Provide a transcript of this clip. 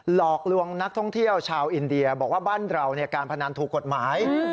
หลอกลวงนักท่องเที่ยวชาวอินเดียบอกว่าบ้านเราการพนันถูกกฎหมาย